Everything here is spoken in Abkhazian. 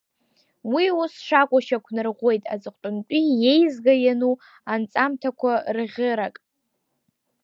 Уи ус шакәу шьақәнарӷәӷәеит аҵыхәтәантәи иеизга иану анҵамҭақәа рӷьырак.